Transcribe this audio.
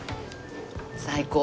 最高！